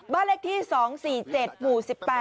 บ้านเลขที่๒๔๗หมู่๑๘